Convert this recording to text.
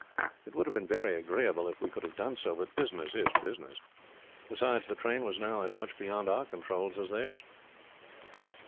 It would have been very agreeable if we could have done so, but business is business. Besides, the train was now as much beyond our controls as theirs.